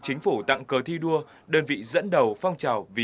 chính phủ tặng cớ thi đua đơn vị dẫn đầu phong trào vì an ninh tổ quốc